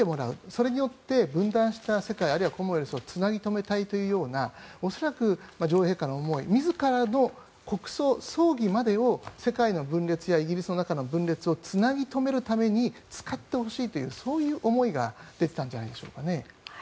それによって、分断した世界あるいはコモンウェルスをつなぎ留めたいというような恐らく女王陛下の思い自らの国王、葬儀までも世界の分裂やイギリスの中の分裂をつなぎ留めるために使ってほしいというそういう思いが出ていたんじゃないでしょうかね。